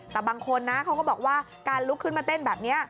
แต่บางคนนะเขาก็บอกว่าการลุกขึ้นมาเต้นแบบนี้